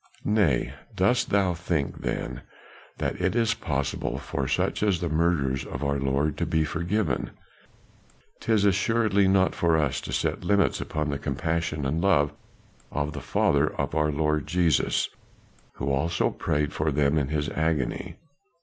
"Nay; dost thou think then that it is possible for such as the murderers of our Lord to be forgiven?" "'Tis assuredly not for us to set limits upon the compassion and love of the Father of our Lord Jesus who also prayed for them in his agony.